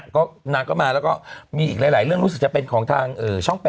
คุณแกมีอีกหลายเรื่องรู้สึกจะเป็นของช่อง๘